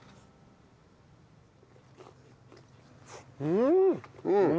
うん！